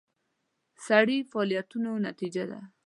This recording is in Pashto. سړي فعالیتونو نتیجه ده.